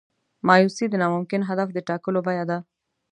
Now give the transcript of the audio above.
مایوسي د ناممکن هدف د ټاکلو بیه ده.